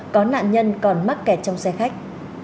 có nạn nhân còn mắc kẹt trong xe khách